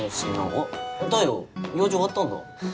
おっ太陽用事終わったんだ。